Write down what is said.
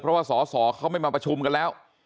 เพราะว่าสอสอเขาไม่มาประชุมกันแล้ว